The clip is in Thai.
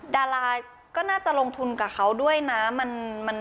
ดาราก็น่าจะลงทุนกับเขาด้วยนะ